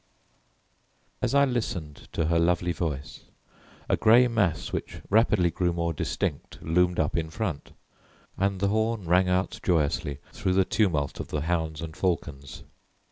As I listened to her lovely voice a grey mass which rapidly grew more distinct loomed up in front, and the horn rang out joyously through the tumult of the hounds and falcons.